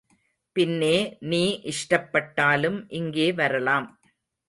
பின்னே நீ இஷ்டப்பட்டாலும் இங்கே வரலாம்.